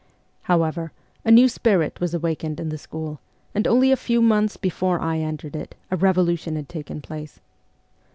However, a new spirit was awakened in the school, and only a few months before I entered it a revolution had taken place.